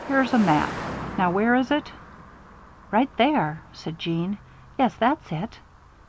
"Here's a map. Now, where is it?" "About there," said Jeanne. "Yes, that's it."